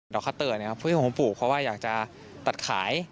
ดอกคัตเตอร์นี่ผมปลูกเพราะว่าอยากจะตัดขาย